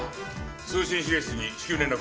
通信指令室に至急連絡。